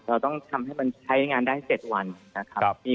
เราต้องทำให้มันใช้งานได้๗วันนะครับ